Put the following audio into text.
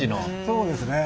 そうですね。